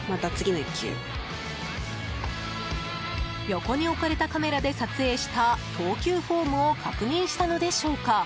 横に置かれたカメラで撮影した投球フォームを確認したのでしょうか？